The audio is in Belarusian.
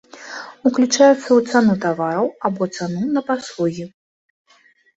Уключаецца ў цану тавараў або цану на паслугі.